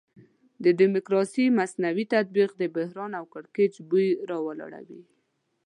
د ډیموکراسي مصنوعي تطبیق د بحران او کړکېچ بوی راولاړوي.